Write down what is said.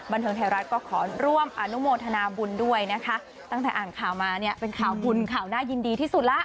บันเทิงไทยรัฐก็ขอร่วมอนุโมทนาบุญด้วยนะคะตั้งแต่อ่านข่าวมาเนี่ยเป็นข่าวบุญข่าวน่ายินดีที่สุดแล้ว